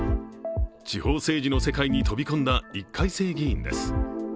地方政治の世界に飛び込んだ１回生議員です。